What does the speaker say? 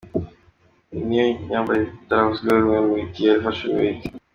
Iyi niyo myambarire itaravuzweho rumwe muri Kigali Fashion Week iheruka kuba.